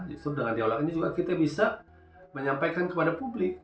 justru dengan dialog ini juga kita bisa menyampaikan kepada publik